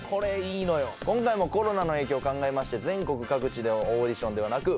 今回もコロナの影響を考えまして全国各地でオーディションではなく。